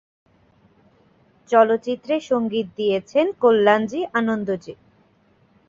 চলচ্চিত্রে সংগীত দিয়েছেন কল্যাণজী-আনন্দজী।